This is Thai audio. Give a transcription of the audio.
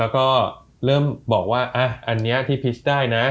แล้วก็เริ่มบอกว่าอันนี้ที่พิชได้นะ